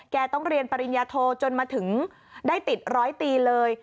ต้องเรียนปริญญาโทจนมาถึงได้ติดร้อยตีเลย